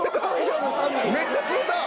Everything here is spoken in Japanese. めっちゃ釣れた！